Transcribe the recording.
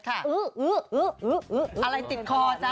อะไรติดคอจ้ะ